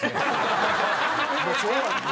もうそうやんな。